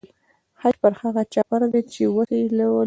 حج پر هغه چا فرض دی چې وسه یې ولري.